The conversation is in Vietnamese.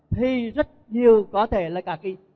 thì rất nhiều có thể là cả cái